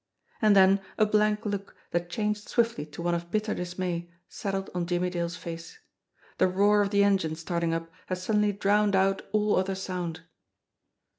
And then a blank look, that changed swiftly to one of bit ter dismay, settled on Jimmie Dale's face. The roar of the engine starting up had suddenly drowned out all other sound.